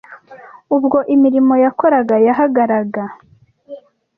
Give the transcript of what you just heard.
ubwo imirimo yakoraga yahagaraga